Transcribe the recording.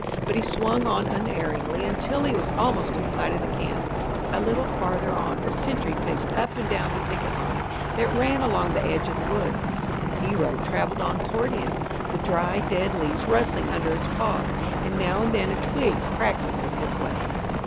But he swung on unerringly, until he was almost in sight of the camp. A little farther on a sentry paced up and down the picket line that ran along the edge of the woods. Hero travelled on toward him, the dry dead leaves rustling under his paws, and now and then a twig crackling with his weight.